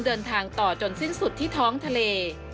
เดินทางต่อจนสิ้นสุดที่ท้องทะเล